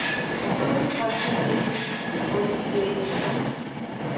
Pasó su infancia en Ortigueira.